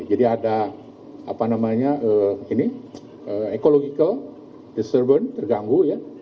jadi ada ekologi terganggu